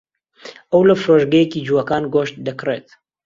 ئەو لە فرۆشگەیەکی جووەکان گۆشت دەکڕێت.